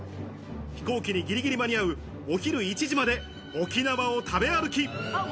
飛行機にぎりぎり間に合う、お昼１時まで沖縄を食べ歩き。